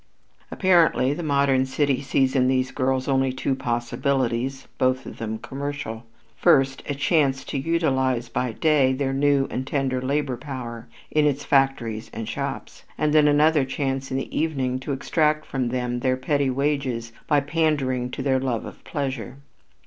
Apparently the modern city sees in these girls only two possibilities, both of them commercial: first, a chance to utilize by day their new and tender labor power in its factories and shops, and then another chance in the evening to extract from them their petty wages by pandering to their love of pleasure.